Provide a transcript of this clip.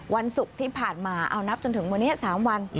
วันศุกร์ที่ผ่านมาเอานับจนถึงวันนี้๓วัน